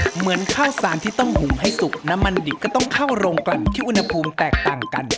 เหมือนข้าวสารที่ต้องหุงให้สุกน้ำมันดิบก็ต้องเข้าโรงกลั่นที่อุณหภูมิแตกต่างกัน